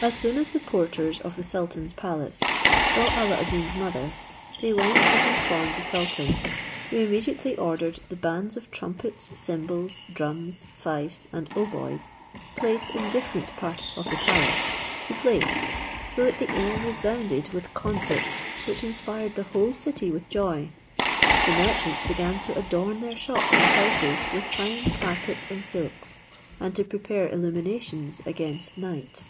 As soon as the porters of the sultan's palace saw Alla ad Deen's mother, they went and informed the sultan, who immediately ordered the bands of trumpets, cymbals, drums, fifes and hautboys, placed in different parts of the palace, to play, so that the air resounded with concerts which inspired the whole city with joy: the merchants began to adorn their shops and houses with fine carpets and silks, and to prepare illuminations against night.